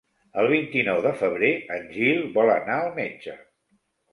El vint-i-nou de febrer en Gil vol anar al metge.